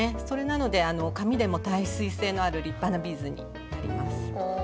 それなのであの紙でも耐水性のある立派なビーズになります。